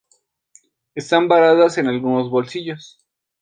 Están varados en algunos bolsillos.